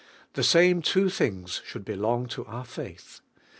The same two things should belong to onr failb.